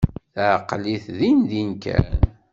Teɛqel-it dindin kan.